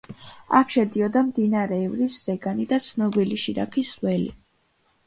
აქ შედიოდა მდინარე ივრის ზეგანი და ცნობილი შირაქის ველი.